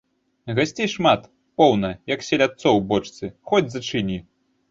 Гасцей шмат, поўна, як селядцоў у бочцы, хоць зачыні!